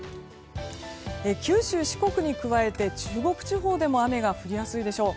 九州・四国に加えて中国地方でも雨が降りやすいでしょう。